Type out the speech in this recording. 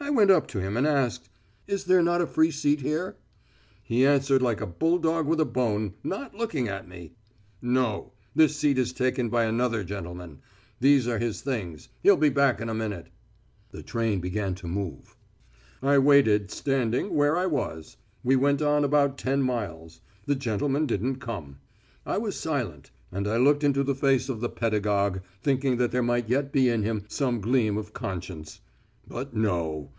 I went up to him and asked: "Is there not a free seat here?" He answered like a bulldog with a bone, not looking at me: "No. This seat is taken by another gentleman. These are his things. He'll be back in a minute." The train began to move. I waited, standing, where I was. We went on about ten miles. The gentleman didn't come. I was silent, and I looked into the face of the pedagogue, thinking that there might yet be in him some gleam of conscience. But no.